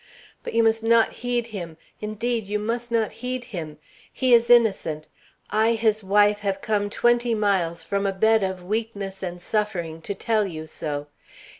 But you must not heed him. Indeed you must not heed him. He is innocent; I, his wife, have come twenty miles, from a bed of weakness and suffering, to tell you so.